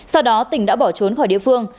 sau đó tỉnh đã bỏ trốn khỏi địa phương